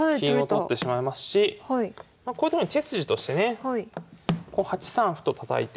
取ってしまいますしこういうとこに手筋としてね８三歩とたたいて。